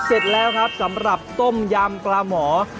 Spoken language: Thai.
เสร็จแล้วครับสำหรับต้มยำปลาหมอ